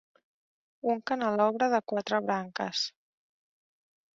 Un canelobre de quatre branques.